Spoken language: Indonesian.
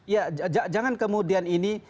ya jangan kemudian ini